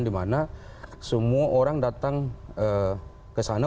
dimana semua orang datang ke sana